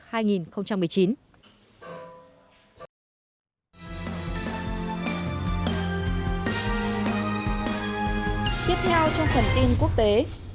tiếp theo trong phần in quốc tế